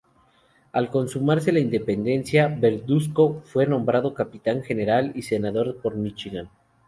Al consumarse la independencia, Verduzco fue nombrado capitán general y senador por Michoacán.